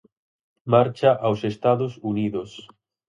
Marcha aos Estados Unidos.